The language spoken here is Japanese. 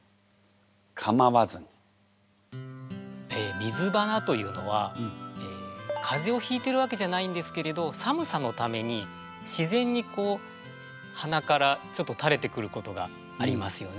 「水洟」というのは風邪をひいてるわけじゃないんですけれど寒さのために自然にこう鼻からちょっとたれてくることがありますよね。